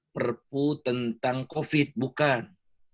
perpu tentang kofit bukan